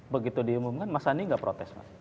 begitu diumumkan mas ani nggak protes